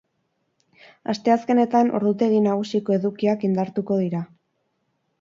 Asteazkenetan ordutegi nagusiko edukiak indartuko dira.